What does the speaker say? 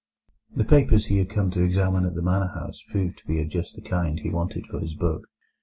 The papers he had come to examine at the manor house proved to be of just the kind he wanted for his book.